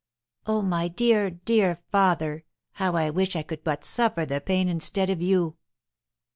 Oh, my dear, dear father! how I wish I could but suffer the pain instead of you!"